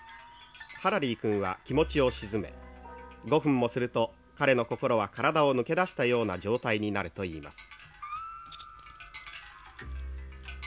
ハラリー君は気持ちを静め５分もすると彼の心は体を抜け出したような状態になるといいます」。